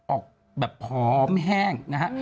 ออกแบบผอมแห้งนะฮะ